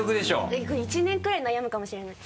これ１年くらい悩むかもしれない。